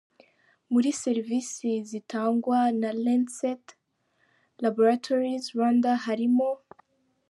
Muri serivise zitangwa na Lancet Laboratories Rwanda harimo.